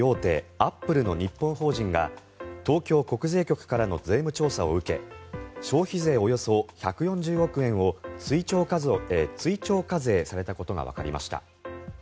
アップルの日本法人が東京国税局からの税務調査を受け消費税およそ１４０億円を追徴課税されたことがわかりました。